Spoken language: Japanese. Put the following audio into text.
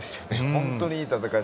本当にいい戦い。